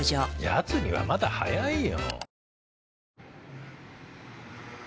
やつにはまだ早いよ。